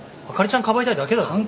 あかりちゃんかばいたいだけだろ。